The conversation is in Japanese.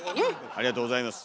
ありがとうございます。